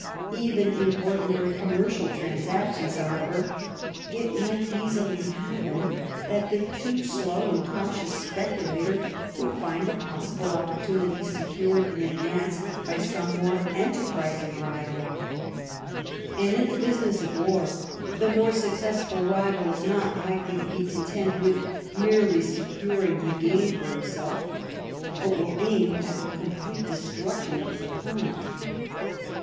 Even in ordinary commercial transactions, however, it might easily happen that the too slow and cautious speculator would find the possible opportunity secured in advance by some more enterprising rival, and in the business of war the more successful rival is not likely to be content with merely securing the gain for himself, but will aim at the complete destruction of his opponent.